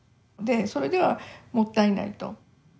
でそれではもったいないと。